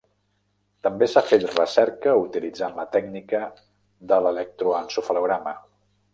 També s'ha fet recerca utilitzant la tècnica de l'electroencefalograma.